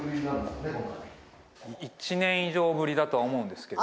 １年以上ぶりだとは思うんですけど。